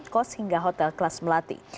kos hingga hotel kelas melati